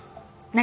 何？